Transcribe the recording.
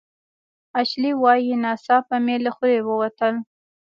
اشلي وايي "ناڅاپه مې له خولې ووتل